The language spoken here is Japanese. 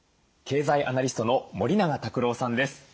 経済アナリストの森永卓郎さんです。